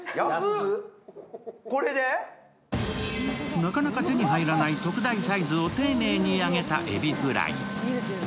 なかなか手に入らない特大サイズを丁寧に揚げたエビフライ。